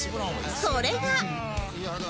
それが